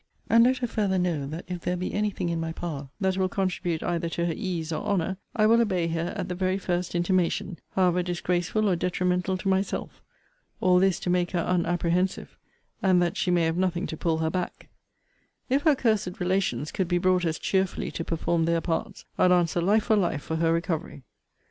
And let her farther know, that if there be any thing in my power, that will contribute either to her ease or honour, I will obey her, at the very first intimation, however disgraceful or detrimental to myself. All this, to make her unapprehensive, and that she may have nothing to pull her back. If her cursed relations could be brought as cheerfully to perform their parts, I'd answer life for life for her recovery.